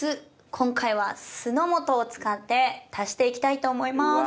今回は酢の素を使って足していきたいと思います。